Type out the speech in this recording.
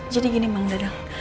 jadi gini mandadang